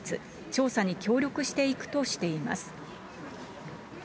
調査に協力していくとしています。